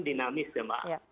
dinamis ya mbak